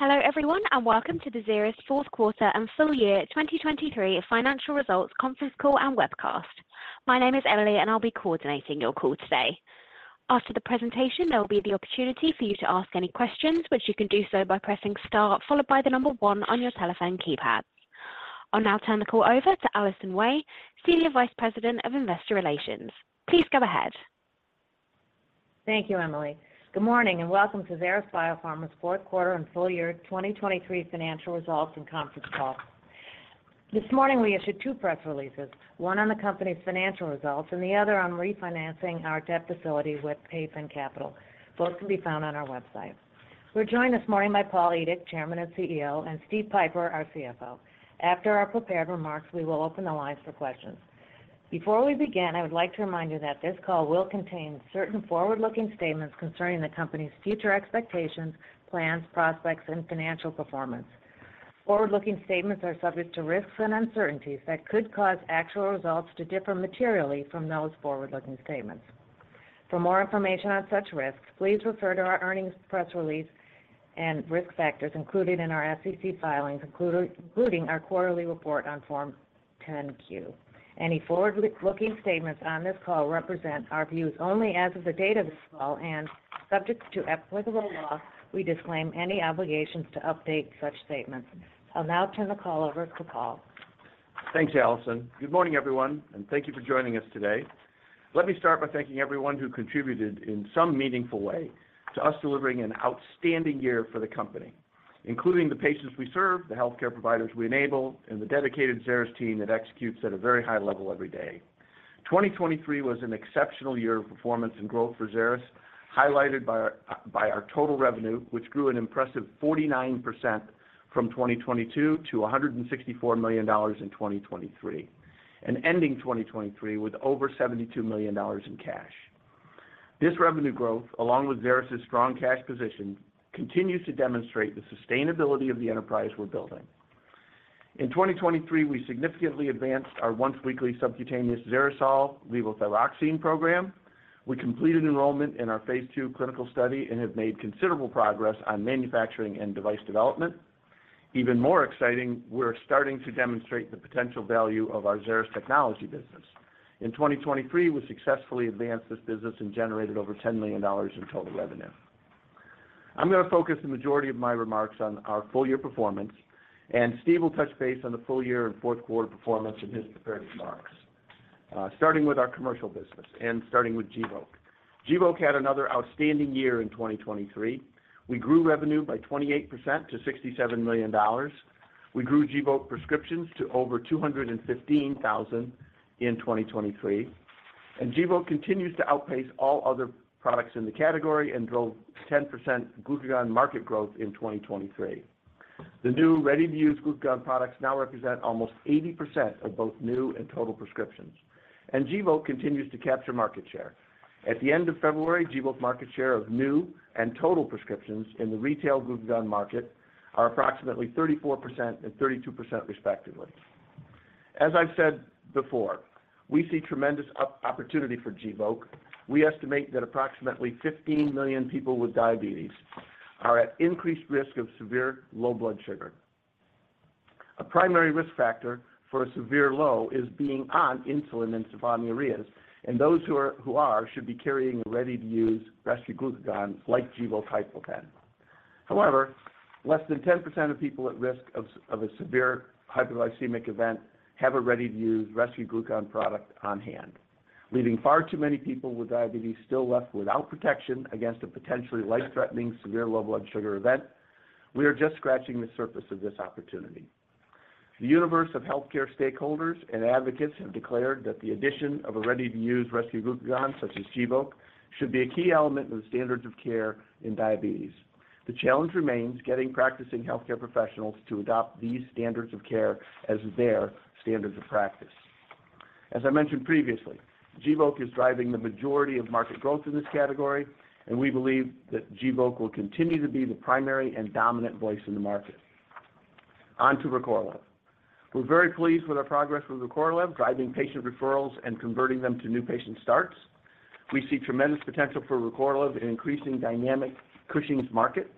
Hello everyone, and welcome to the Xeris Q4 and full year 2023 financial results conference call and webcast. My name is Emily, and I'll be coordinating your call today. After the presentation, there will be the opportunity for you to ask any questions, which you can do so by pressing star followed by the number one on your telephone keypad. I'll now turn the call over to Allison Wey, Senior Vice President of Investor Relations. Please go ahead. Thank you, Emily. Good morning, and welcome to Xeris Biopharma's Q4 and full year 2023 financial results and conference call. This morning we issued two press releases, one on the company's financial results and the other on refinancing our debt facility with Hayfin Capital. Both can be found on our website. We're joined this morning by Paul Edick, Chairman and CEO, and Steve Pieper, our CFO. After our prepared remarks, we will open the lines for questions. Before we begin, I would like to remind you that this call will contain certain forward-looking statements concerning the company's future expectations, plans, prospects, and financial performance. Forward-looking statements are subject to risks and uncertainties that could cause actual results to differ materially from those forward-looking statements. For more information on such risks, please refer to our earnings press release and risk factors included in our SEC filings, including our quarterly report on Form 10-Q. Any forward-looking statements on this call represent our views only as of the date of this call and subject to applicable law. We disclaim any obligations to update such statements. I'll now turn the call over to Paul. Thanks, Allison. Good morning, everyone, and thank you for joining us today. Let me start by thanking everyone who contributed in some meaningful way to us delivering an outstanding year for the company, including the patients we serve, the healthcare providers we enable, and the dedicated Xeris team that executes at a very high level every day. 2023 was an exceptional year of performance and growth for Xeris, highlighted by our total revenue, which grew an impressive 49% from 2022 to $164 million in 2023, and ending 2023 with over $72 million in cash. This revenue growth, along with Xeris's strong cash position, continues to demonstrate the sustainability of the enterprise we're building. In 2023, we significantly advanced our once-weekly subcutaneous XeriSol levothyroxine program. We completed enrollment in our phase II clinical study and have made considerable progress on manufacturing and device development. Even more exciting, we're starting to demonstrate the potential value of our Xeris technology business. In 2023, we successfully advanced this business and generated over $10 million in total revenue. I'm going to focus the majority of my remarks on our full year performance, and Steve will touch base on the full year and Q4 performance and his prepared remarks, starting with our commercial business and starting with Gvoke. Gvoke had another outstanding year in 2023. We grew revenue by 28% to $67 million. We grew Gvoke prescriptions to over 215,000 in 2023, and Gvoke continues to outpace all other products in the category and drove 10% glucagon market growth in 2023. The new ready-to-use glucagon products now represent almost 80% of both new and total prescriptions, and Gvoke continues to capture market share. At the end of February, Gvoke's market share of new and total prescriptions in the retail glucagon market are approximately 34% and 32%, respectively. As I've said before, we see tremendous opportunity for Gvoke. We estimate that approximately 15 million people with diabetes are at increased risk of severe low blood sugar. A primary risk factor for a severe low is being on insulin and sulfonylurea, and those who are should be carrying ready-to-use rescue glucagons like Gvoke HypoPen. However, less than 10% of people at risk of a severe hypoglycemic event have a ready-to-use rescue glucagon product on hand, leaving far too many people with diabetes still left without protection against a potentially life-threatening severe low blood sugar event. We are just scratching the surface of this opportunity. The universe of healthcare stakeholders and advocates have declared that the addition of a ready-to-use rescue glucagon such as Gvoke should be a key element of the standards of care in diabetes. The challenge remains getting practicing healthcare professionals to adopt these standards of care as their standards of practice. As I mentioned previously, Gvoke is driving the majority of market growth in this category, and we believe that Gvoke will continue to be the primary and dominant voice in the market. On to RECORLEV. We're very pleased with our progress with RECORLEV, driving patient referrals and converting them to new patient starts. We see tremendous potential for RECORLEV in increasing dynamic Cushing's market.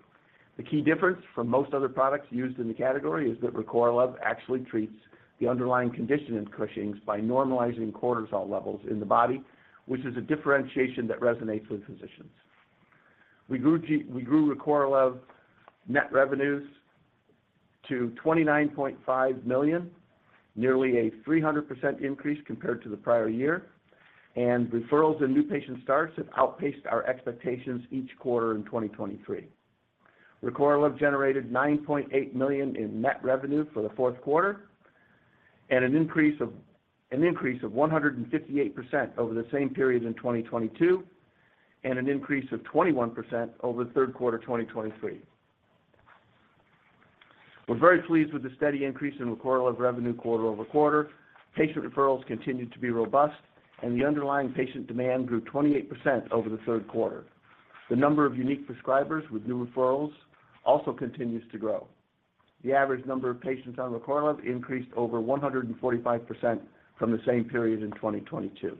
The key difference from most other products used in the category is that RECORLEV actually treats the underlying condition in Cushing's by normalizing cortisol levels in the body, which is a differentiation that resonates with physicians. We grew RECORLEV net revenues to $29.5 million, nearly a 300% increase compared to the prior year, and referrals and new patient starts have outpaced our expectations each quarter in 2023. RECORLEV generated $9.8 million in net revenue for the Q4, an increase of 158% over the same period in 2022, and an increase of 21% over the Q3 2023. We're very pleased with the steady increase in RECORLEV revenue quarter over quarter. Patient referrals continue to be robust, and the underlying patient demand grew 28% over the Q3. The number of unique prescribers with new referrals also continues to grow. The average number of patients on RECORLEV increased over 145% from the same period in 2022.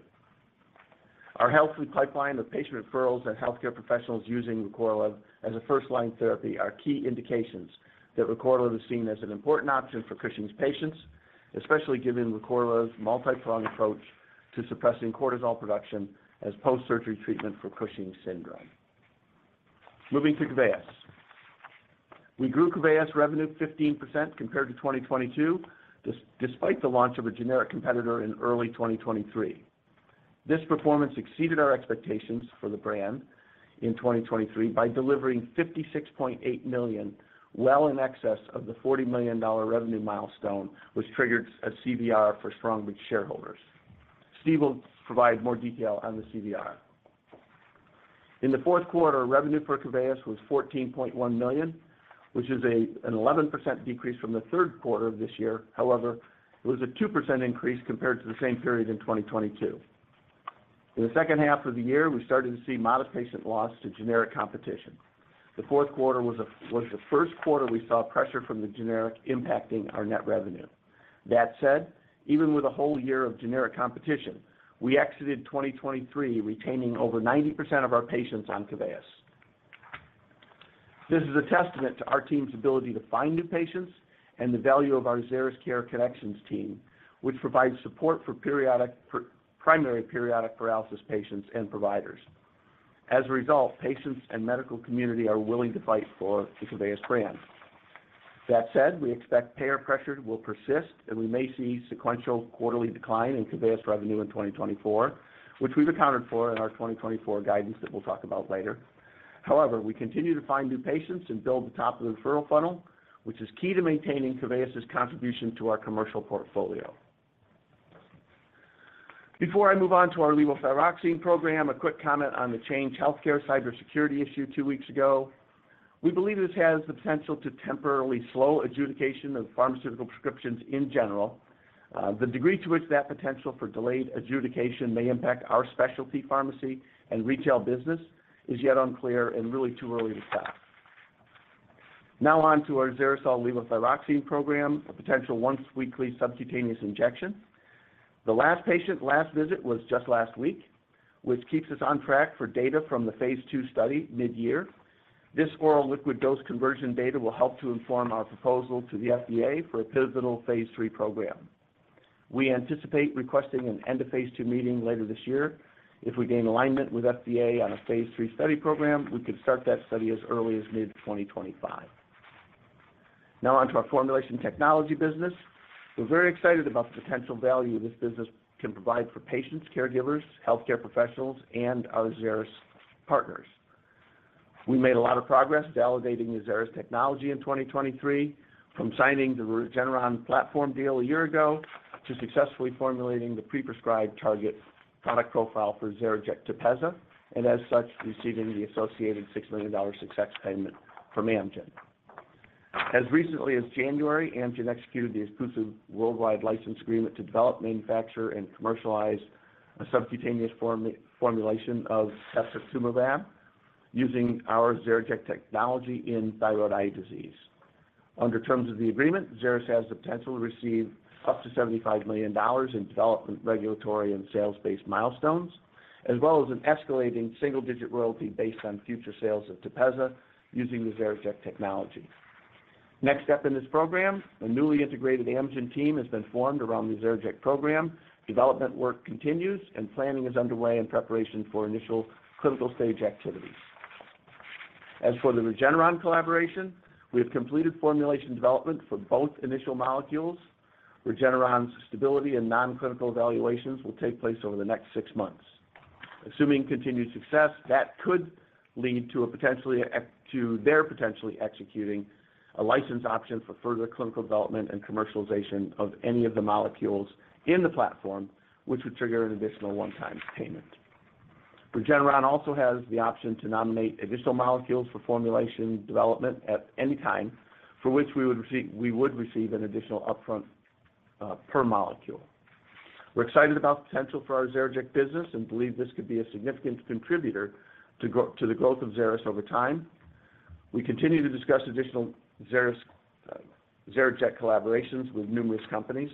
Our healthy pipeline of patient referrals and healthcare professionals using RECORLEV as a first-line therapy are key indications that RECORLEV is seen as an important option for Cushing's patients, especially given RECORLEV's multi-pronged approach to suppressing cortisol production as post-surgery treatment for Cushing's syndrome. Moving to KEVEYIS. We grew KEVEYIS revenue 15% compared to 2022, despite the launch of a generic competitor in early 2023. This performance exceeded our expectations for the brand in 2023 by delivering $56.8 million, well in excess of the $40 million revenue milestone which triggered a CVR for Strongbridge shareholders. Steve will provide more detail on the CVR. In the Q4, revenue for KEVEYIS was $14.1 million, which is an 11% decrease from the Q3 of this year. However, it was a 2% increase compared to the same period in 2022. In the second half of the year, we started to see modest patient loss to generic competition. The Q4 was the Q1 we saw pressure from the generic impacting our net revenue. That said, even with a whole year of generic competition, we exited 2023 retaining over 90% of our patients on KEVEYIS. This is a testament to our team's ability to find new patients and the value of our Xeris Care Connections team, which provides support for primary periodic paralysis patients and providers. As a result, patients and medical community are willing to fight for the KEVEYIS brand. That said, we expect payer pressure will persist, and we may see sequential quarterly decline in KEVEYIS revenue in 2024, which we've accounted for in our 2024 guidance that we'll talk about later. However, we continue to find new patients and build the top of the referral funnel, which is key to maintaining KEVEYIS' contribution to our commercial portfolio. Before I move on to our levothyroxine program, a quick comment on the Change Healthcare cybersecurity issue 2 weeks ago. We believe this has the potential to temporarily slow adjudication of pharmaceutical prescriptions in general. The degree to which that potential for delayed adjudication may impact our specialty pharmacy and retail business is yet unclear and really too early to stop. Now on to our XeriSol levothyroxine program, the potential once-weekly subcutaneous injection. The last patient last visit was just last week, which keeps us on track for data from the phase II study mid-year. This oral liquid dose conversion data will help to inform our proposal to the FDA for a pivotal phase III program. We anticipate requesting an end-of-phase II meeting later this year. If we gain alignment with FDA on a phase III study program, we could start that study as early as mid-2025. Now on to our formulation technology business. We're very excited about the potential value this business can provide for patients, caregivers, healthcare professionals, and our Xeris partners. We made a lot of progress validating the Xeris technology in 2023, from signing the Regeneron platform deal a year ago to successfully formulating the pre-prescribed target product profile for XeriJect TEPEZZA, and as such, receiving the associated $6 million success payment from Amgen. As recently as January, Amgen executed the exclusive worldwide license agreement to develop, manufacture, and commercialize a subcutaneous formulation of TEPEZZA using our XeriJect technology in thyroid eye disease. Under terms of the agreement, Xeris has the potential to receive up to $75 million in development, regulatory, and sales-based milestones, as well as an escalating single-digit royalty based on future sales of TEPEZZA using the XeriJect technology. Next step in this program, a newly integrated Amgen team has been formed around the XeriJect program. Development work continues, and planning is underway in preparation for initial clinical stage activities. As for the Regeneron collaboration, we have completed formulation development for both initial molecules. Regeneron's stability and non-clinical evaluations will take place over the next six months. Assuming continued success, that could lead to their potentially executing a license option for further clinical development and commercialization of any of the molecules in the platform, which would trigger an additional one-time payment. Regeneron also has the option to nominate additional molecules for formulation development at any time, for which we would receive an additional upfront per molecule. We're excited about the potential for our XeriJect business and believe this could be a significant contributor to the growth of Xeris over time. We continue to discuss additional XeriJect collaborations with numerous companies.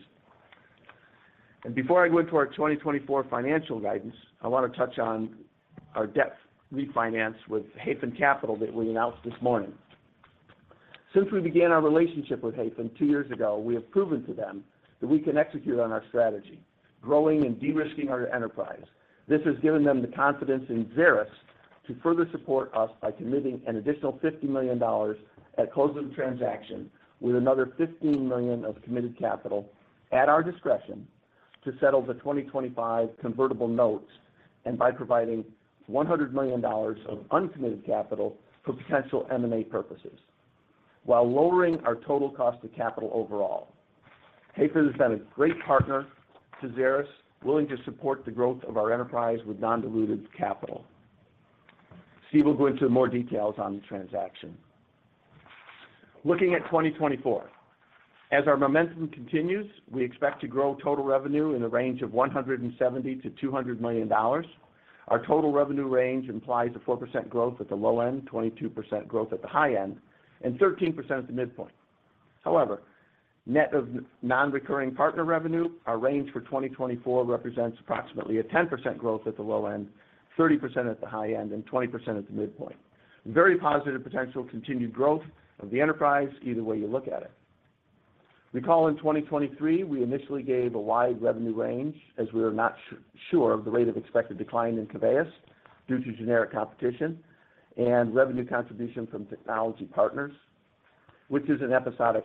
Before I go into our 2024 financial guidance, I want to touch on our debt refinance with Hayfin Capital that we announced this morning. Since we began our relationship with Hayfin two years ago, we have proven to them that we can execute on our strategy, growing and de-risking our enterprise. This has given them the confidence in Xeris to further support us by committing an additional $50 million at close of the transaction with another $15 million of committed capital at our discretion to settle the 2025 convertible notes and by providing $100 million of uncommitted capital for potential M&A purposes, while lowering our total cost of capital overall. Hayfin has been a great partner to Xeris, willing to support the growth of our enterprise with non-diluted capital. Steve will go into more details on the transaction. Looking at 2024, as our momentum continues, we expect to grow total revenue in the range of $170 to 200 million. Our total revenue range implies a 4% growth at the low end, 22% growth at the high end, and 13% at the midpoint. However, net of non-recurring partner revenue, our range for 2024 represents approximately a 10% growth at the low end, 30% at the high end, and 20% at the midpoint. Very positive potential continued growth of the enterprise either way you look at it. Recall in 2023, we initially gave a wide revenue range as we were not sure of the rate of expected decline in KEVEYIS due to generic competition and revenue contribution from technology partners, which is an episodic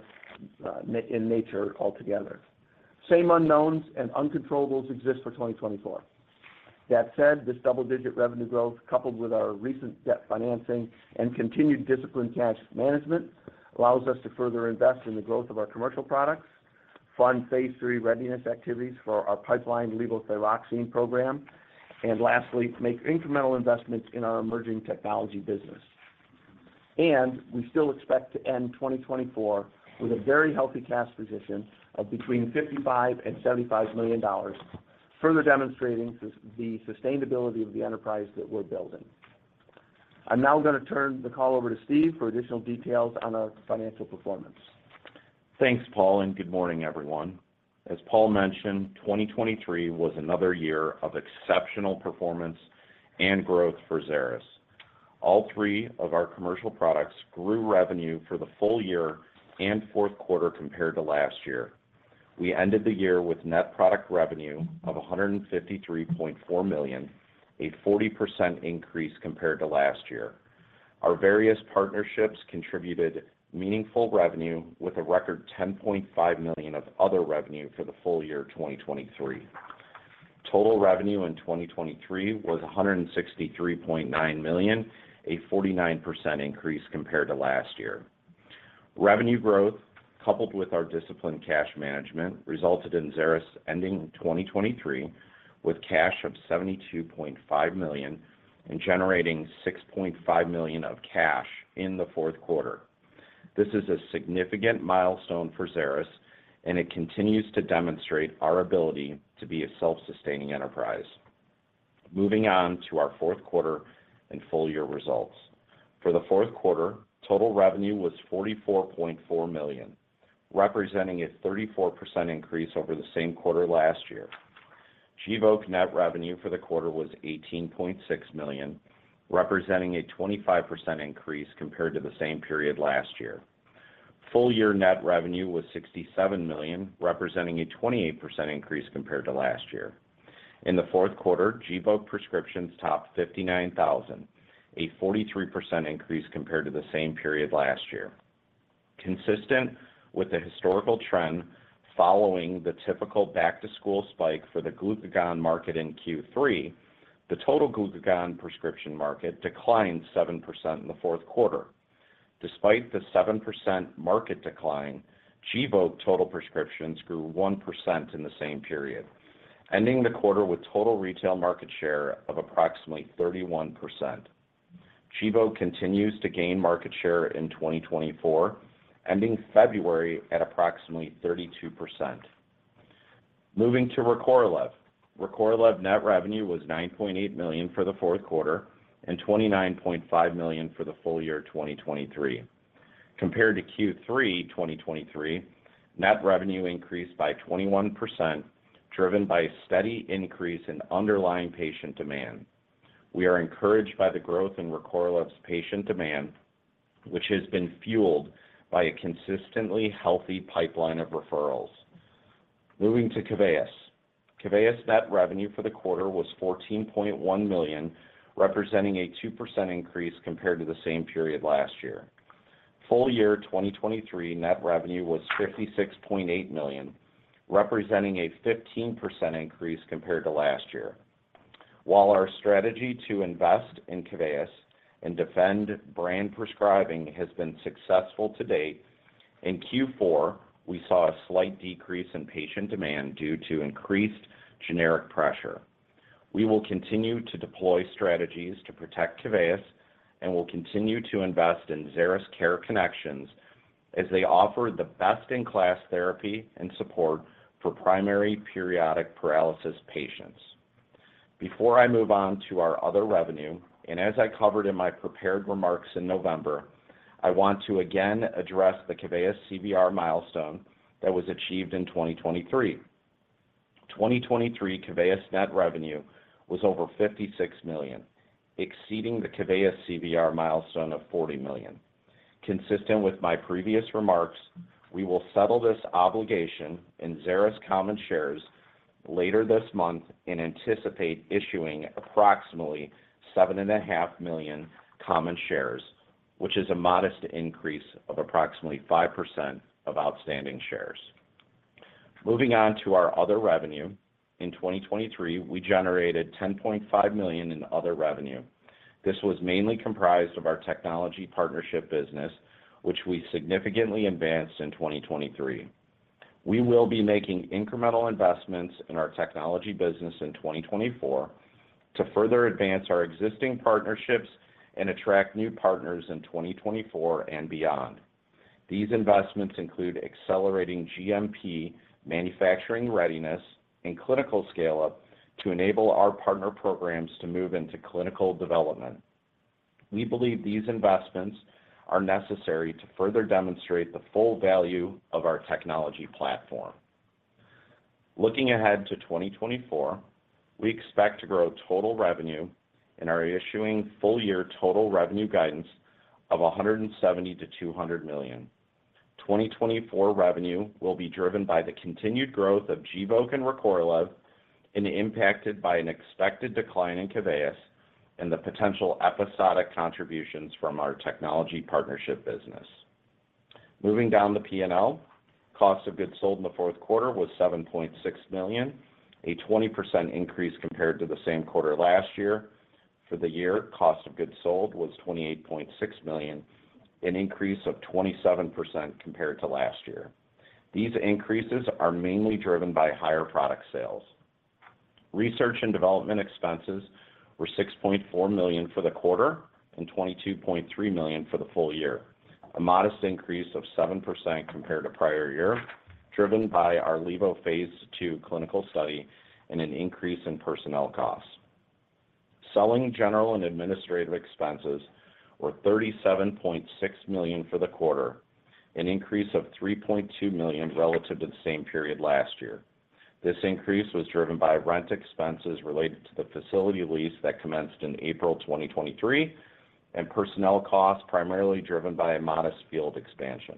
in nature altogether. Same unknowns and uncontrollables exist for 2024. That said, this double-digit revenue growth, coupled with our recent debt financing and continued disciplined cash management, allows us to further invest in the growth of our commercial products, fund phase III readiness activities for our pipeline levothyroxine program, and lastly, make incremental investments in our emerging technology business. We still expect to end 2024 with a very healthy cash position of between $55 and 75 million, further demonstrating the sustainability of the enterprise that we're building. I'm now going to turn the call over to Steve for additional details on our financial performance. Thanks, Paul, and good morning, everyone. As Paul mentioned, 2023 was another year of exceptional performance and growth for Xeris. All three of our commercial products grew revenue for the full year and Q4 compared to last year. We ended the year with net product revenue of $153.4 million, a 40% increase compared to last year. Our various partnerships contributed meaningful revenue with a record $10.5 million of other revenue for the full year 2023. Total revenue in 2023 was $163.9 million, a 49% increase compared to last year. Revenue growth, coupled with our disciplined cash management, resulted in Xeris ending 2023 with cash of $72.5 million and generating $6.5 million of cash in the Q4. This is a significant milestone for Xeris, and it continues to demonstrate our ability to be a self-sustaining enterprise. Moving on to our Q4 and full year results. For the Q4, total revenue was $44.4 million, representing a 34% increase over the same quarter last year. Gvoke net revenue for the quarter was $18.6 million, representing a 25% increase compared to the same period last year. Full year net revenue was $67 million, representing a 28% increase compared to last year. In the Q4, Gvoke prescriptions topped 59,000, a 43% increase compared to the same period last year. Consistent with the historical trend following the typical back-to-school spike for the glucagon market in Q3, the total glucagon prescription market declined 7% in the Q4. Despite the 7% market decline, Gvoke total prescriptions grew 1% in the same period, ending the quarter with total retail market share of approximately 31%. Gvoke continues to gain market share in 2024, ending February at approximately 32%. Moving to RECORLEV. RECORLEV net revenue was $9.8 million for the Q4 and $29.5 million for the full year 2023. Compared to Q3 2023, net revenue increased by 21%, driven by a steady increase in underlying patient demand. We are encouraged by the growth in RECORLEV's patient demand, which has been fueled by a consistently healthy pipeline of referrals. Moving to KEVEYIS. KEVEYIS net revenue for the quarter was $14.1 million, representing a 2% increase compared to the same period last year. Full year 2023 net revenue was $56.8 million, representing a 15% increase compared to last year. While our strategy to invest in KEVEYIS and defend brand prescribing has been successful to date, in Q4, we saw a slight decrease in patient demand due to increased generic pressure. We will continue to deploy strategies to protect KEVEYIS, and we'll continue to invest in Xeris Care Connections as they offer the best-in-class therapy and support for primary periodic paralysis patients. Before I move on to our other revenue, and as I covered in my prepared remarks in November, I want to again address the KEVEYIS CVR milestone that was achieved in 2023. 2023 KEVEYIS net revenue was over $56 million, exceeding the KEVEYIS CVR milestone of $40 million. Consistent with my previous remarks, we will settle this obligation in Xeris common shares later this month and anticipate issuing approximately 7.5 million common shares, which is a modest increase of approximately 5% of outstanding shares. Moving on to our other revenue, in 2023, we generated $10.5 million in other revenue. This was mainly comprised of our technology partnership business, which we significantly advanced in 2023. We will be making incremental investments in our technology business in 2024 to further advance our existing partnerships and attract new partners in 2024 and beyond. These investments include accelerating GMP manufacturing readiness and clinical scale-up to enable our partner programs to move into clinical development. We believe these investments are necessary to further demonstrate the full value of our technology platform. Looking ahead to 2024, we expect to grow total revenue in our issuing full year total revenue guidance of $170 to 200 million. 2024 revenue will be driven by the continued growth of Gvoke and RECORLEV and impacted by an expected decline in KEVEYIS and the potential episodic contributions from our technology partnership business. Moving down the P&L, cost of goods sold in the Q4 was $7.6 million, a 20% increase compared to the same quarter last year. For the year, cost of goods sold was $28.6 million, an increase of 27% compared to last year. These increases are mainly driven by higher product sales. Research and development expenses were $6.4 million for the quarter and $22.3 million for the full year, a modest increase of 7% compared to prior year, driven by our levo phase II clinical study and an increase in personnel costs. Selling general and administrative expenses were $37.6 million for the quarter, an increase of $3.2 million relative to the same period last year. This increase was driven by rent expenses related to the facility lease that commenced in April 2023 and personnel costs primarily driven by a modest field expansion.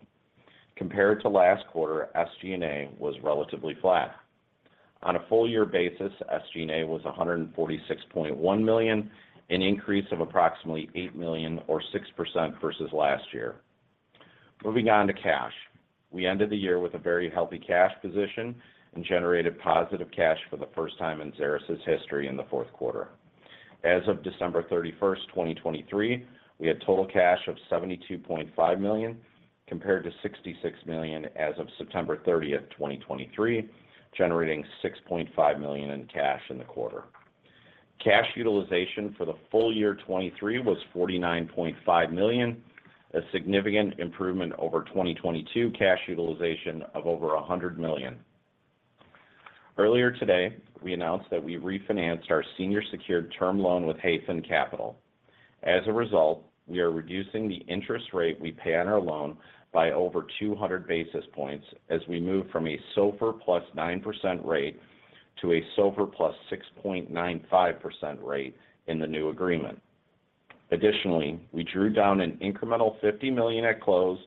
Compared to last quarter, SG&A was relatively flat. On a full year basis, SG&A was $146.1 million, an increase of approximately $8 million or 6% versus last year. Moving on to cash, we ended the year with a very healthy cash position and generated positive cash for the first time in Xeris's history in the Q4. As of 31 December, 2023, we had total cash of $72.5 million compared to $66 million as of 30 September, 2023, generating $6.5 million in cash in the quarter. Cash utilization for the full year 2023 was $49.5 million, a significant improvement over 2022 cash utilization of over $100 million. Earlier today, we announced that we refinanced our senior secured term loan with Hayfin Capital. As a result, we are reducing the interest rate we pay on our loan by over 200 basis points as we move from a SOFR plus 9% rate to a SOFR plus 6.95% rate in the new agreement. Additionally, we drew down an incremental $50 million at close,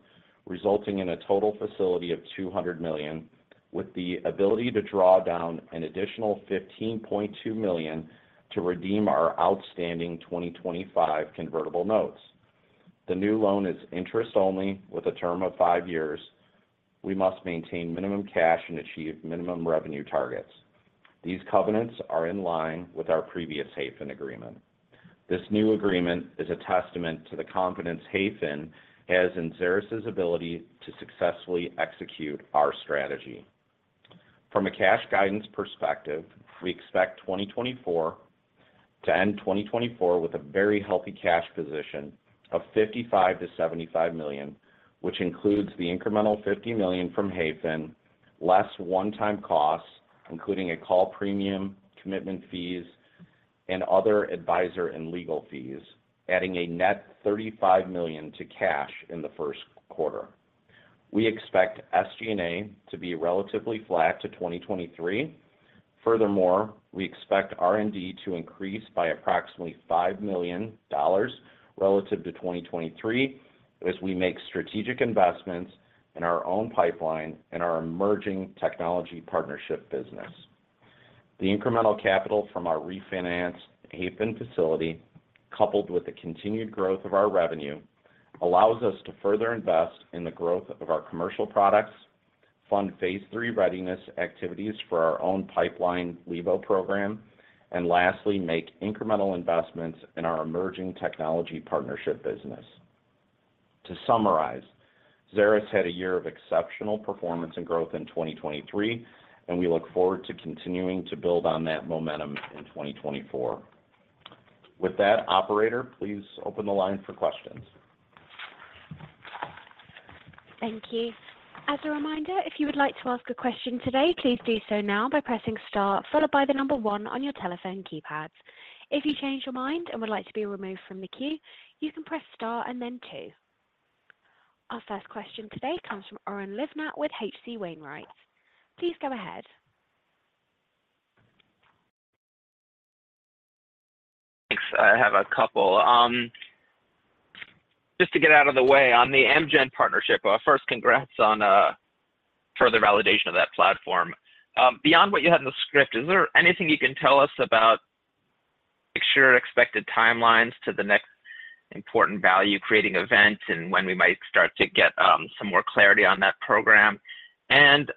resulting in a total facility of $200 million, with the ability to draw down an additional $15.2 million to redeem our outstanding 2025 convertible notes. The new loan is interest-only with a term of five years. We must maintain minimum cash and achieve minimum revenue targets. These covenants are in line with our previous Hayfin agreement. This new agreement is a testament to the confidence Hayfin has in Xeris's ability to successfully execute our strategy. From a cash guidance perspective, we expect to end 2024 with a very healthy cash position of $55 to 75 million, which includes the incremental $50 million from Hayfin, less one-time costs including a call premium, commitment fees, and other advisor and legal fees, adding a net $35 million to cash in the Q1. We expect SG&A to be relatively flat to 2023. Furthermore, we expect R&D to increase by approximately $5 million relative to 2023 as we make strategic investments in our own pipeline and our emerging technology partnership business. The incremental capital from our refinanced Hayfin facility, coupled with the continued growth of our revenue, allows us to further invest in the growth of our commercial products, fund phase three readiness activities for our own pipeline levo program, and lastly, make incremental investments in our emerging technology partnership business. To summarize, Xeris had a year of exceptional performance and growth in 2023, and we look forward to continuing to build on that momentum in 2024. With that, operator, please open the line for questions. Thank you. As a reminder, if you would like to ask a question today, please do so now by pressing Start, followed by the number one on your telephone keypad. If you change your mind and would like to be removed from the queue, you can press Start and then two. Our first question today comes from Oren Livnat with H.C. Wainwright. Please go ahead. Thanks. I have a couple. Just to get out of the way, on the Amgen partnership, first, congrats on further validation of that platform. Beyond what you had in the script, is there anything you can tell us about the expected timelines to the next important value-creating event and when we might start to get some more clarity on that program? And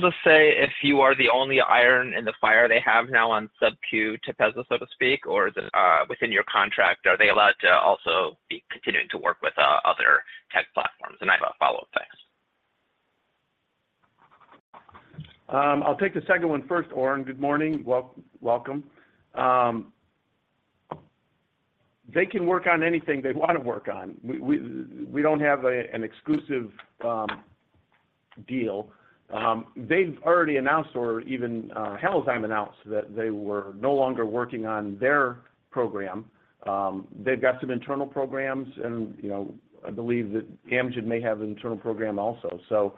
to see if you are the only iron in the fire they have now on sub-Q TEPEZZA, so to speak, or is it, within your contract, are they allowed to also be continuing to work with other tech platforms? And I have a follow-up. Thanks. I'll take the second one first. Oren, good morning. Welcome. They can work on anything they want to work on. We don't have an exclusive deal. They've already announced, or even Halozyme announced that they were no longer working on their program. They've got some internal programs, and you know, I believe that Amgen may have an internal program also. So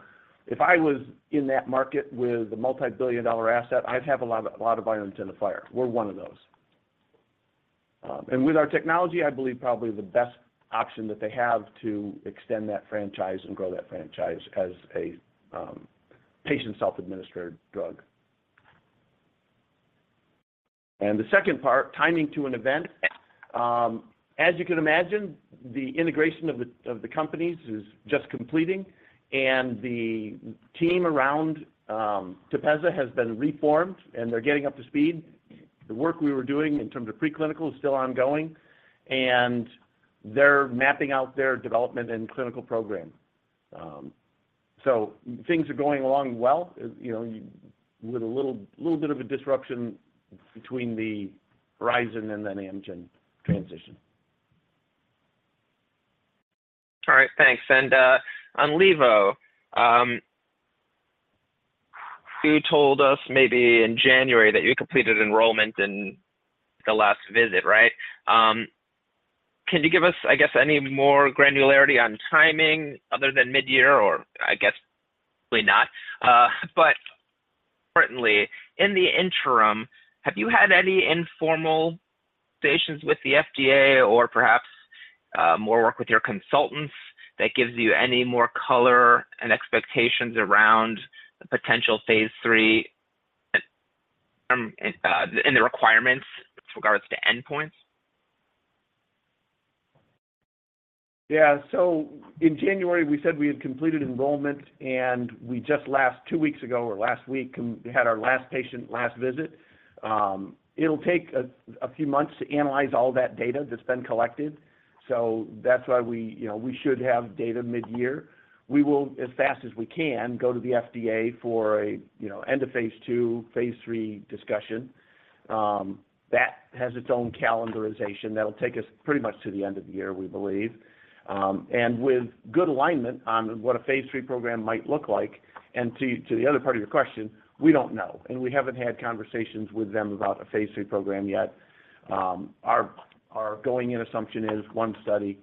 if I was in that market with a multi-billion dollar asset, I'd have a lot of a lot of irons in the fire. We're one of those. And with our technology, I believe probably the best option that they have to extend that franchise and grow that franchise as a patient self-administered drug. And the second part, timing to an event. As you can imagine, the integration of the companies is just completing, and the team around TEPEZZA has been reformed, and they're getting up to speed. The work we were doing in terms of preclinical is still ongoing, and they're mapping out their development and clinical program. Things are going along well, you know, with a little bit of a disruption between the Horizon and then Amgen transition. All right. Thanks. And, on levo, you told us maybe in January that you completed enrollment in the last visit, right? Can you give us, I guess, any more granularity on timing other than midyear, or I guess probably not. But importantly, in the interim, have you had any informal discussions with the FDA or perhaps, more work with your consultants that gives you any more color and expectations around potential phase III in, the requirements with regards to endpoints? Yeah. So in January, we said we had completed enrollment, and we just last two weeks ago or last week completed our last patient last visit. It'll take a few months to analyze all that data that's been collected, so that's why we, you know, we should have data midyear. We will, as fast as we can, go to the FDA for a, you know, end of phase two, phase three discussion. That has its own calendarization. That'll take us pretty much to the end of the year, we believe. And with good alignment on what a phase three program might look like and to the other part of your question, we don't know, and we haven't had conversations with them about a phase three program yet. Our going-in assumption is one study.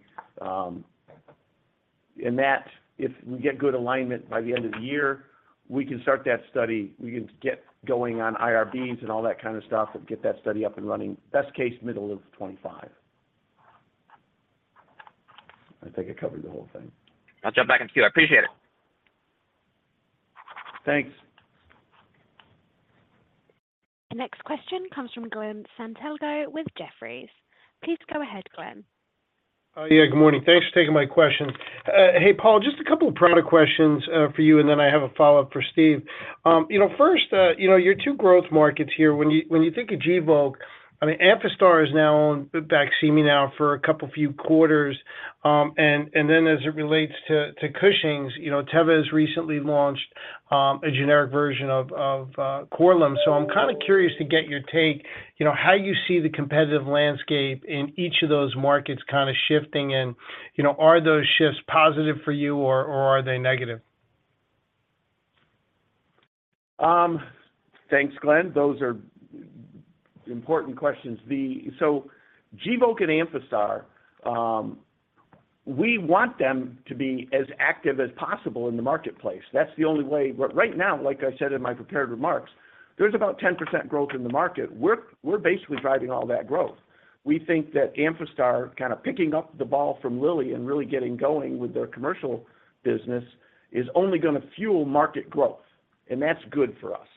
in that, if we get good alignment by the end of the year, we can start that study. We can get going on IRBs and all that kind of stuff and get that study up and running, best case middle of 2025. I think I covered the whole thing. I'll jump back into the queue. I appreciate it. Thanks. The next question comes from Glen Santangelo with Jefferies. Please go ahead, Glen. Yeah. Good morning. Thanks for taking my questions. Hey, Paul, just a couple of product questions for you, and then I have a follow-up for Steve. You know, first, you know, you're two growth markets here. When you think of Gvoke, I mean, Amphastar now owns Baqsimi for a couple few quarters. And then as it relates to Cushing's, you know, Teva recently launched a generic version of Korlym. So I'm kind of curious to get your take, you know, how you see the competitive landscape in each of those markets kind of shifting, and, you know, are those shifts positive for you, or are they negative? Thanks, Glen. Those are important questions. So, Gvoke and Amphastar, we want them to be as active as possible in the marketplace. That's the only way right now. Like I said in my prepared remarks, there's about 10% growth in the market. We're basically driving all that growth. We think that Amphastar, kind of picking up the ball from Lilly and really getting going with their commercial business, is only going to fuel market growth, and that's good for us.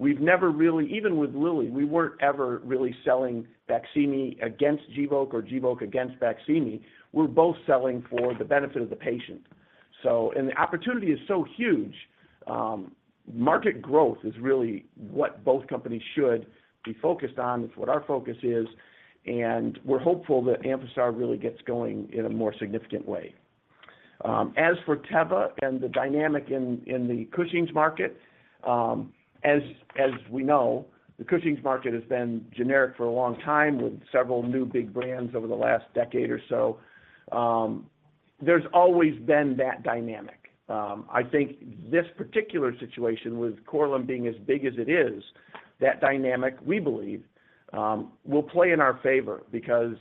We've never really, even with Lilly, we weren't ever really selling Baqsimi against Gvoke or Gvoke against Baqsimi. We're both selling for the benefit of the patient. So, the opportunity is so huge. Market growth is really what both companies should be focused on. It's what our focus is, and we're hopeful that Amphastar really gets going in a more significant way. As for Teva and the dynamic in the Cushing's market, as we know, the Cushing's market has been generic for a long time with several new big brands over the last decade or so. There's always been that dynamic. I think this particular situation with Korlym being as big as it is, that dynamic, we believe, will play in our favor because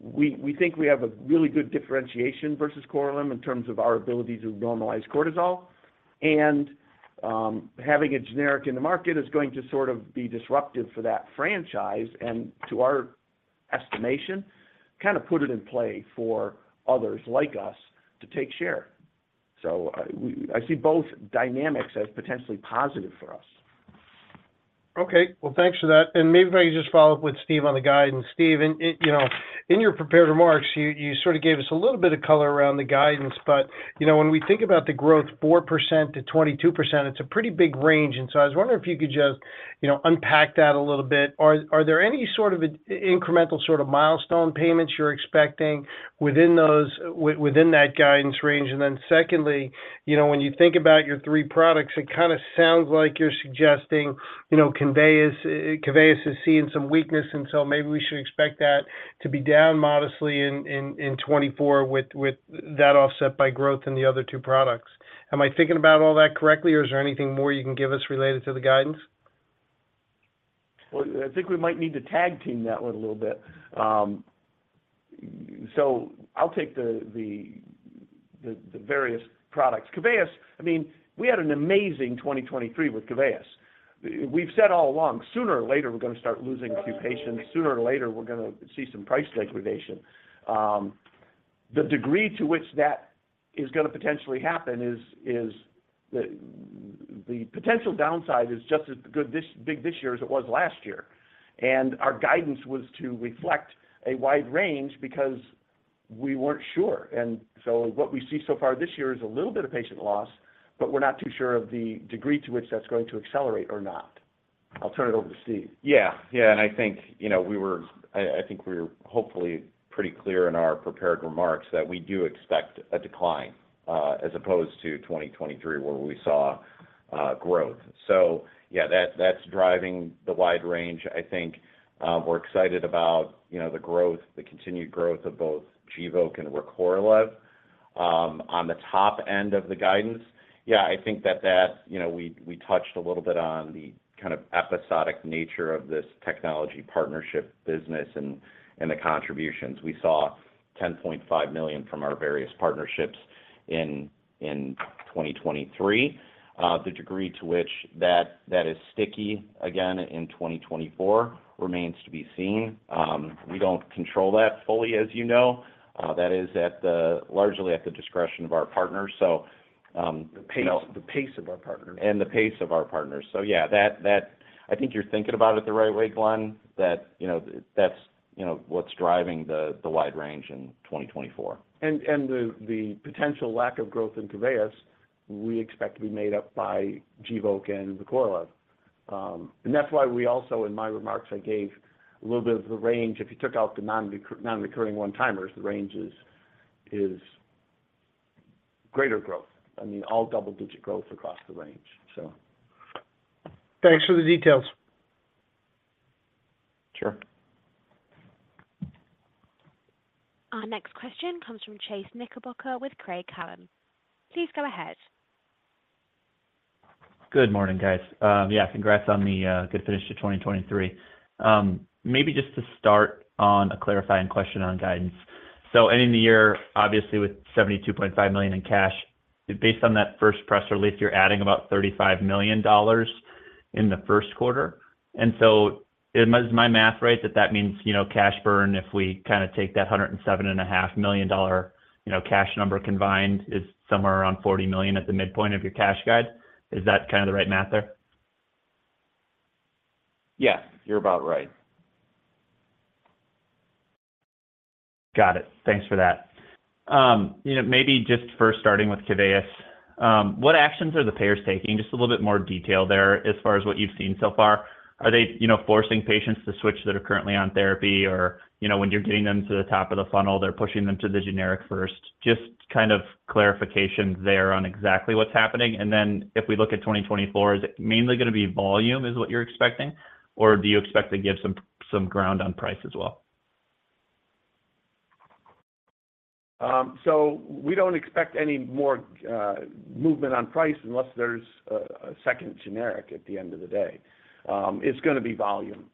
we think we have a really good differentiation versus Korlym in terms of our ability to normalize cortisol. And, having it generic in the market is going to sort of be disruptive for that franchise and, to our estimation, kind of put it in play for others like us to take share. So, I see both dynamics as potentially positive for us. Okay. Well, thanks for that. And maybe if I could just follow up with Steve on the guidance. Steve, in you know, in your prepared remarks, you sort of gave us a little bit of color around the guidance, but you know, when we think about the growth, 4% to 22%, it's a pretty big range. And so I was wondering if you could just you know, unpack that a little bit. Are there any sort of incremental sort of milestone payments you're expecting within those within that guidance range? And then secondly, you know, when you think about your three products, it kind of sounds like you're suggesting, you know, KEVEYIS is seeing some weakness, and so maybe we should expect that to be down modestly in 2024 with that offset by growth in the other two products. Am I thinking about all that correctly, or is there anything more you can give us related to the guidance? Well, I think we might need to tag team that one a little bit. So I'll take the various products. KEVEYIS, I mean, we had an amazing 2023 with KEVEYIS. We've said all along, sooner or later, we're going to start losing a few patients. Sooner or later, we're going to see some price liquidation. The degree to which that is going to potentially happen is the potential downside is just as big this year as it was last year. And our guidance was to reflect a wide range because we weren't sure. And so what we see so far this year is a little bit of patient loss, but we're not too sure of the degree to which that's going to accelerate or not. I'll turn it over to Steve. Yeah. Yeah. And I think, you know, we were—I think we were hopefully pretty clear in our prepared remarks that we do expect a decline, as opposed to 2023 where we saw growth. So yeah, that's driving the wide range. I think we're excited about, you know, the growth, the continued growth of both Gvoke and RECORLEV. On the top end of the guidance, yeah, I think that, you know, we touched a little bit on the kind of episodic nature of this technology partnership business and the contributions. We saw $10.5 million from our various partnerships in 2023. The degree to which that is sticky again in 2024 remains to be seen. We don't control that fully, as you know. That is largely at the discretion of our partners. So, you know. The pace of our partners. The pace of our partners. So yeah, that I think you're thinking about it the right way, Glen, that, you know, that's, you know, what's driving the wide range in 2024. And the potential lack of growth in KEVEYIS, we expect to be made up by Gvoke and RECORLEV. And that's why we also in my remarks, I gave a little bit of the range. If you took out the non-recurring one-timers, the range is greater growth. I mean, all double-digit growth across the range, so. Thanks for the details. Sure. Our next question comes from Chase Knickerbocker with Craig-Hallum Capital Group. Please go ahead. Good morning, guys. Yeah, congrats on the good finish to 2023. Maybe just to start on a clarifying question on guidance. So ending the year, obviously, with $72.5 million in cash, based on that first press release, you're adding about $35 million in the Q1. And so is my is my math right that that means, you know, cash burn if we kind of take that $107.5 million, you know, cash number combined is somewhere around $40 million at the midpoint of your cash guide? Is that kind of the right math there? Yeah. You're about right. Got it. Thanks for that. You know, maybe just first starting with KEVEYIS, what actions are the payers taking? Just a little bit more detail there as far as what you've seen so far. Are they, you know, forcing patients to switch that are currently on therapy, or, you know, when you're getting them to the top of the funnel, they're pushing them to the generic first? Just kind of clarification there on exactly what's happening. And then if we look at 2024, is it mainly going to be volume is what you're expecting, or do you expect to give some ground on price as well? We don't expect any more movement on price unless there's a second generic at the end of the day. It's going to be volume.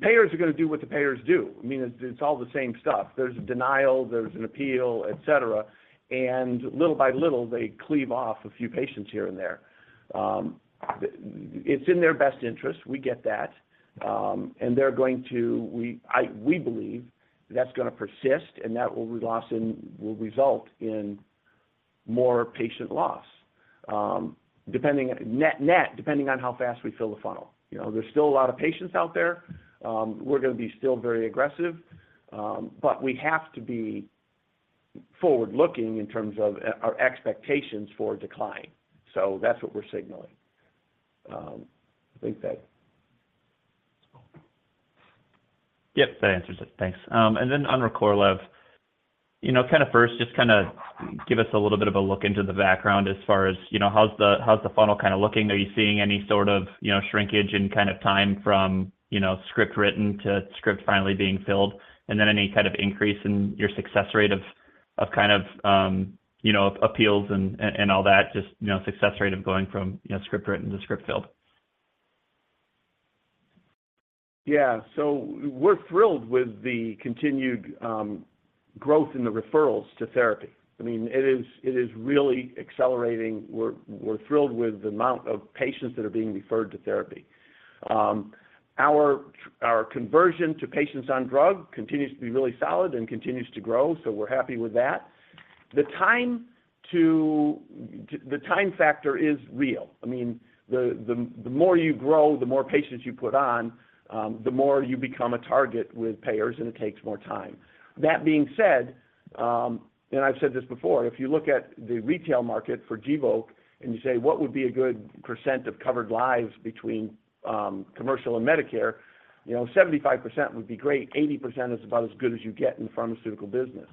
Payers are going to do what the payers do. I mean, it's all the same stuff. There's a denial. There's an appeal, etc. Little by little, they cleave off a few patients here and there. It's in their best interest. We get that. And they're going to. We believe that's going to persist, and that will result in more patient loss, depending net, net, depending on how fast we fill the funnel. You know, there's still a lot of patients out there. We're going to be still very aggressive. But we have to be forward-looking in terms of our expectations for decline. So that's what we're signaling. I think that. Yep. That answers it. Thanks. And then on RECORLEV. You know, kind of first, just kind of give us a little bit of a look into the background as far as, you know, how's the funnel kind of looking? Are you seeing any sort of, you know, shrinkage in kind of time from, you know, script written to script finally being filled, and then any kind of increase in your success rate of, of kind of, you know, appeals and all that, just, you know, success rate of going from, you know, script written to script filled? Yeah. So we're thrilled with the continued growth in the referrals to therapy. I mean, it is really accelerating. We're thrilled with the amount of patients that are being referred to therapy. Our conversion to patients on drug continues to be really solid and continues to grow, so we're happy with that. The time factor is real. I mean, the more you grow, the more patients you put on, the more you become a target with payers, and it takes more time. That being said, and I've said this before, if you look at the retail market for Gvoke and you say, "What would be a good percent of covered lives between commercial and Medicare?" You know, 75% would be great. 80% is about as good as you get in the pharmaceutical business.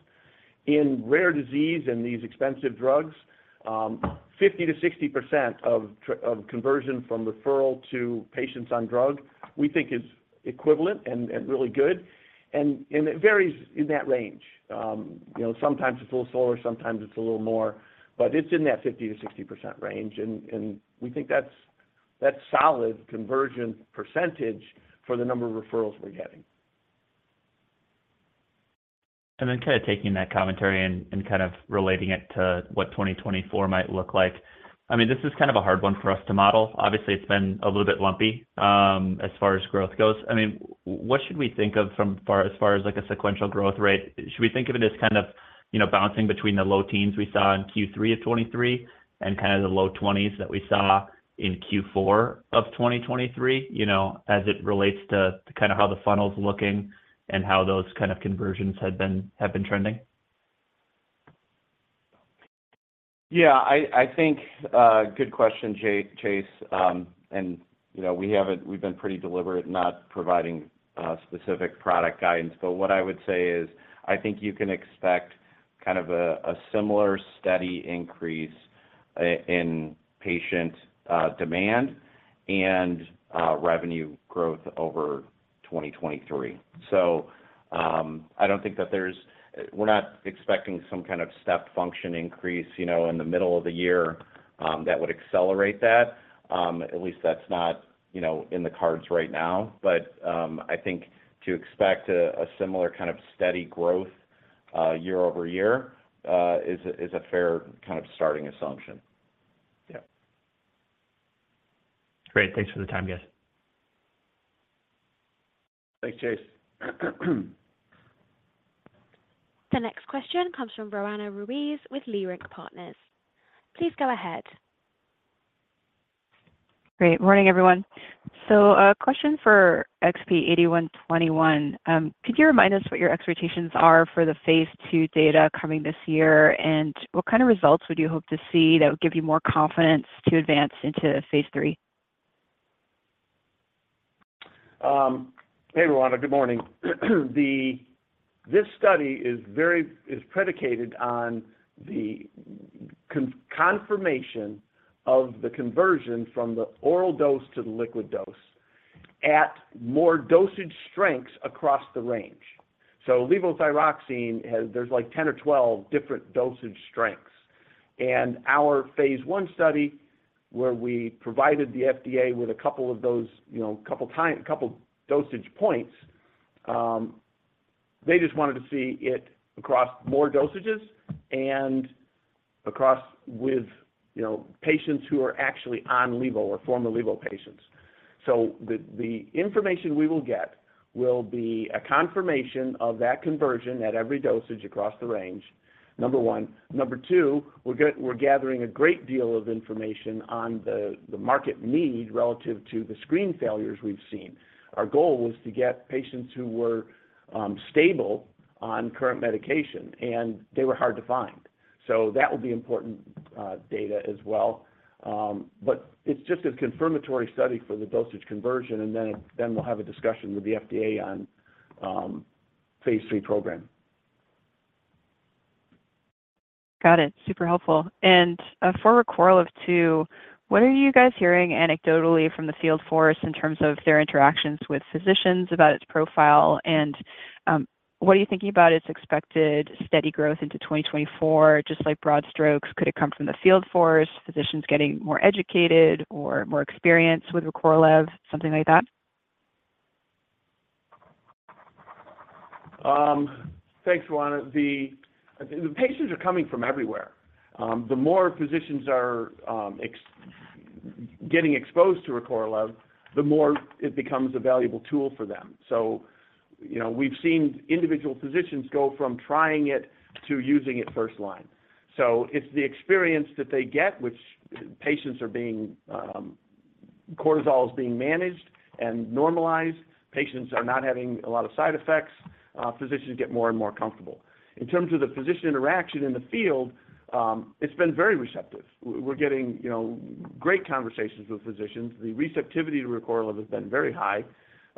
In rare disease and these expensive drugs, 50% to 60% rate of conversion from referral to patients on drug, we think, is equivalent and really good. And it varies in that range, you know, sometimes it's a little slower. Sometimes it's a little more. But it's in that 50% to 60% range. And we think that's a solid conversion percentage for the number of referrals we're getting. And then kind of taking that commentary and kind of relating it to what 2024 might look like, I mean, this is kind of a hard one for us to model. Obviously, it's been a little bit lumpy, as far as growth goes. I mean, what should we think of as far as, like, a sequential growth rate? Should we think of it as kind of, you know, bouncing between the low teens we saw in Q3 of 2023 and kind of the low 20s that we saw in Q4 of 2023, you know, as it relates to kind of how the funnel's looking and how those kind of conversions have been trending? Yeah. I think good question, Chase. And, you know, we haven't. We've been pretty deliberate not providing specific product guidance. But what I would say is I think you can expect kind of a similar steady increase in patient demand and revenue growth over 2023. So, I don't think that there is. We're not expecting some kind of stepped function increase, you know, in the middle of the year, that would accelerate that. At least that's not, you know, in the cards right now. But, I think to expect a similar kind of steady growth, year-over-year, is a fair kind of starting assumption. Yeah. Great. Thanks for the time, guys. Thanks, Chase. The next question comes from Roanna Ruiz with Leerink Partners. Please go ahead. Great morning, everyone. So, question for XP-8121. Could you remind us what your expectations are for the phase two data coming this year, and what kind of results would you hope to see that would give you more confidence to advance into phase three? Hey, Roanna. Good morning. This study is predicated on the confirmation of the conversion from the oral dose to the liquid dose at more dosage strengths across the range. So Levothyroxine has, like, 10 or 12 different dosage strengths. And our phase I study, where we provided the FDA with a couple of those, you know, a couple dosage points, they just wanted to see it across more dosages and with, you know, patients who are actually on levo or former levo patients. So the information we will get will be a confirmation of that conversion at every dosage across the range, number one. Number two, we're gathering a great deal of information on the market need relative to the screen failures we've seen. Our goal was to get patients who were stable on current medication, and they were hard to find. So that will be important data as well. But it's just a confirmatory study for the dosage conversion. And then we'll have a discussion with the FDA on phase III program. Got it. Super helpful. And, for RECORLEV too, what are you guys hearing anecdotally from the field force in terms of their interactions with physicians about its profile? And, what are you thinking about its expected steady growth into 2024? Just like broad strokes, could it come from the field force, physicians getting more educated or more experience with RECORLEV, something like that? Thanks, Roanna. The patients are coming from everywhere. The more physicians are getting exposed to RECORLEV, the more it becomes a valuable tool for them. So, you know, we've seen individual physicians go from trying it to using it first line. So it's the experience that they get, which patients are being cortisol is being managed and normalized. Patients are not having a lot of side effects. Physicians get more and more comfortable. In terms of the physician interaction in the field, it's been very receptive. We're getting, you know, great conversations with physicians. The receptivity to RECORLEV has been very high.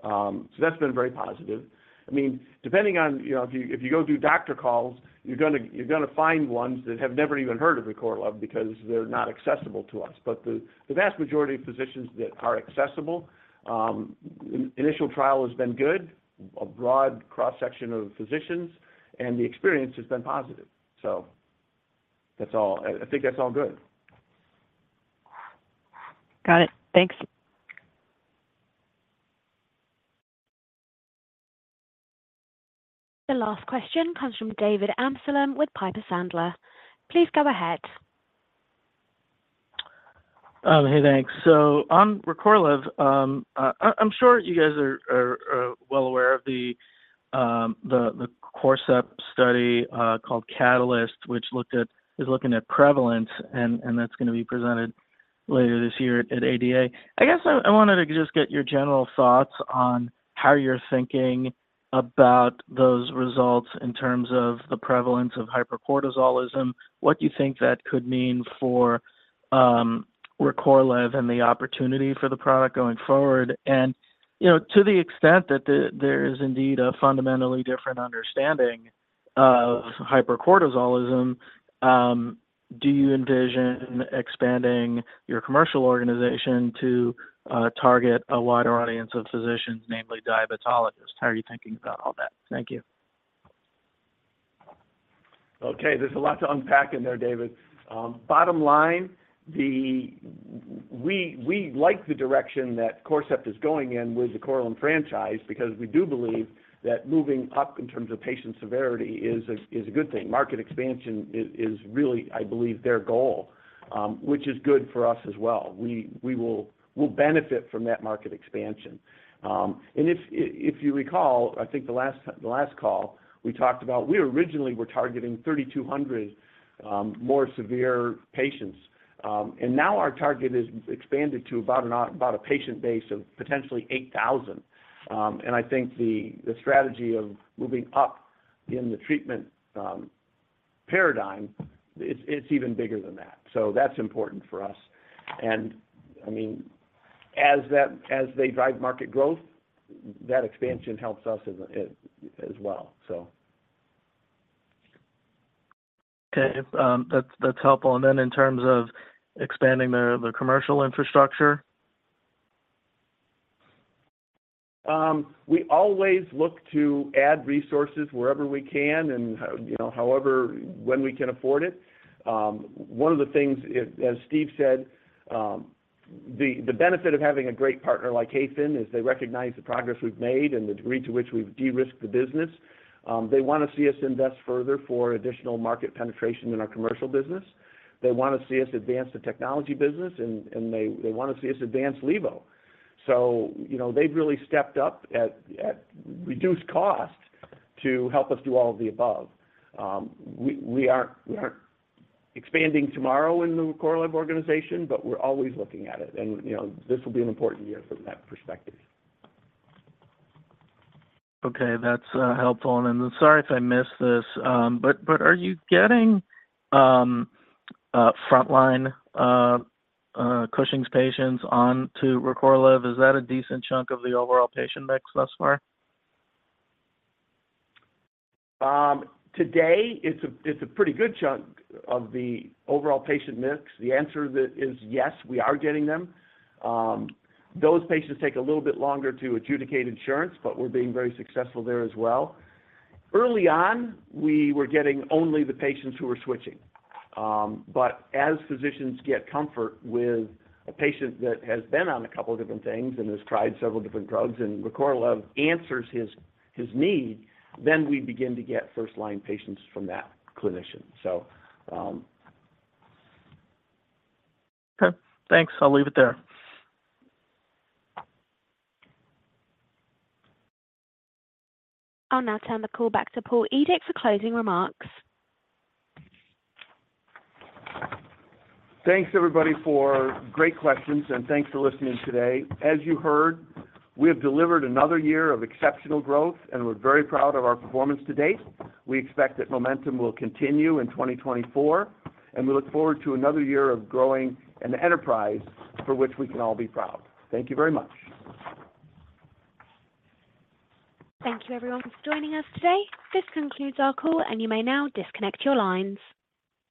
So that's been very positive. I mean, depending on you know, if you go do doctor calls, you're going to find ones that have never even heard of RECORLEV because they're not accessible to us. But the vast majority of physicians that are accessible, initial trial has been good, a broad cross-section of physicians, and the experience has been positive. So that's all. I think that's all good. Got it. Thanks. The last question comes from David Amsellem with Piper Sandler. Please go ahead. Hey, thanks. So on RECORLEV, I'm sure you guys are well aware of the Corcept study, called Catalyst, which looked at is looking at prevalence. And that's going to be presented later this year at ADA. I guess I wanted to just get your general thoughts on how you're thinking about those results in terms of the prevalence of hypercortisolism, what you think that could mean for RECORLEV and the opportunity for the product going forward. And, you know, to the extent that there is indeed a fundamentally different understanding of hypercortisolism, do you envision expanding your commercial organization to target a wider audience of physicians, namely diabetologists? How are you thinking about all that? Thank you. Okay. There's a lot to unpack in there, David. Bottom line, we like the direction that Corcept is going in with the Korlym franchise because we do believe that moving up in terms of patient severity is a good thing. Market expansion is really, I believe, their goal, which is good for us as well. We will benefit from that market expansion. And if you recall, I think the last call, we talked about we originally were targeting 3,200 more severe patients. And now our target is expanded to about a patient base of potentially 8,000. And I think the strategy of moving up in the treatment paradigm, it's even bigger than that. So that's important for us. I mean, as they drive market growth, that expansion helps us as well, so. Okay. That's, that's helpful. And then in terms of expanding the commercial infrastructure? We always look to add resources wherever we can and, you know, however when we can afford it. One of the things, as Steve said, the benefit of having a great partner like Hayfin is they recognize the progress we've made and the degree to which we've de-risked the business. They want to see us invest further for additional market penetration in our commercial business. They want to see us advance the technology business. And they want to see us advance levo. So, you know, they've really stepped up at reduced cost to help us do all of the above. We aren't expanding tomorrow in the commercial organization, but we're always looking at it. You know, this will be an important year from that perspective. Okay. That's helpful. And then, sorry if I missed this, but are you getting frontline Cushing's patients onto RECORLEV? Is that a decent chunk of the overall patient mix thus far? Today, it's a—it's a pretty good chunk of the overall patient mix. The answer that is yes, we are getting them. Those patients take a little bit longer to adjudicate insurance, but we're being very successful there as well. Early on, we were getting only the patients who were switching. But as physicians get comfort with a patient that has been on a couple of different things and has tried several different drugs and RECORLEV answers his, his need, then we begin to get first-line patients from that clinician. So, Okay. Thanks. I'll leave it there. I'll now turn the call back to Paul Edick for closing remarks. Thanks, everybody, for great questions. Thanks for listening today. As you heard, we have delivered another year of exceptional growth, and we're very proud of our performance to date. We expect that momentum will continue in 2024. We look forward to another year of growing an enterprise for which we can all be proud. Thank you very much. Thank you, everyone, for joining us today. This concludes our call, and you may now disconnect your lines.